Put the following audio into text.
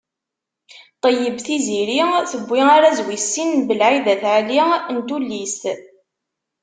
Ṭeyyeb Tiziri tewwi arraz wis sin n Belɛid At Ɛli n tullist.